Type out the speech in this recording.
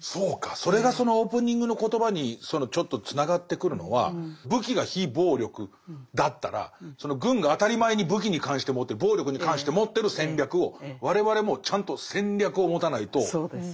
それがそのオープニングの言葉にちょっとつながってくるのは「武器」が非暴力だったらその軍が当たり前に武器に関して持ってる暴力に関して持ってる戦略を我々もちゃんと戦略を持たないと駄目だっていうこと。